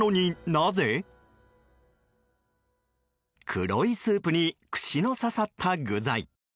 黒いスープに串の刺さった具材。